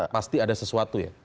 pasti ada sesuatu ya